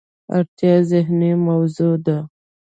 اړتیا ذهني موضوع ده.